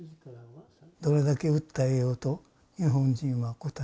「どれだけ訴えようと日本人は答えない。